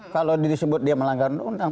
kalau disebut dia melanggar undang